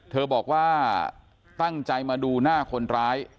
เธอบอกว่าตั้งใจมาดูหน้าคนร้าย